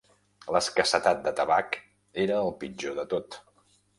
L'escassetat de tabac era el pitjor de tot.